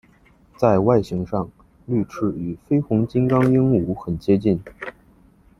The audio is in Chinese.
在外形上绿翅与绯红金刚鹦鹉很接近。